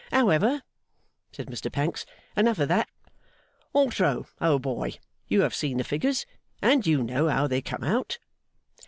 'However,' said Mr Pancks, 'enough of that. Altro, old boy, you have seen the figures, and you know how they come out.